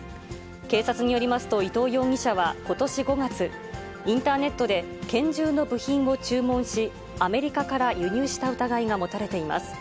警察によりますと、伊藤容疑者はことし５月、インターネットで拳銃の部品を注文し、アメリカから輸入した疑いが持たれています。